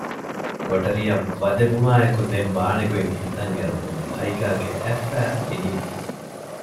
ކޮޓަރިއަށް ވަދެވުމާއެކު ދެން ވާނެގޮތް ހިތަށް އެރުމުން އައިކާގެ އަތްފައި ފިނިވި